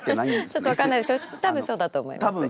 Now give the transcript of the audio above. ちょっとわからないですけど多分そうだと思います。